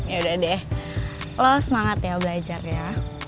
yaudah deh lo semangat ya belajar ya